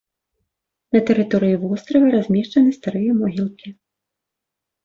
На тэрыторыі вострава размешчаны старыя могілкі.